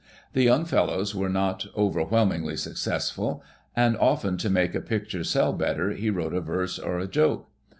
The young fellows were not over whelmingly successful and often to make a picture sell better he wrote a verse or a joke.